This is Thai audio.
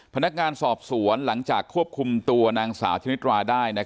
พนักงานสอบสวนหลังจากควบคุมตัวนางสาวชนิดราได้